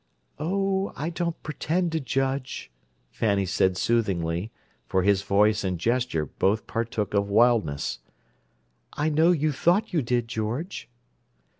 "Oh, I don't pretend to judge," Fanny said soothingly, for his voice and gesture both partook of wildness. "I know you think you did, George."